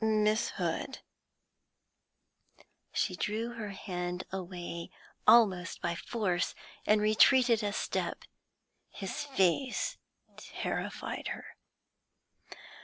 'Miss Hood ' She drew her hand away, almost by force, and retreated a step; his face terrified her.